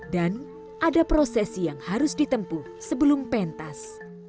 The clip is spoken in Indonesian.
dan ada proses yang harus ditempuh sebelum pentas